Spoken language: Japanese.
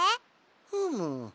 ふむ。